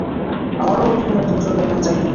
আমারও ঐ রকমের একটা বেসরকারি নাম চাই তো।